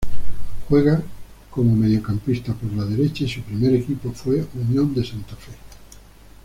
Juega como mediocampista por derecha y su primer equipo fue Unión de Santa Fe.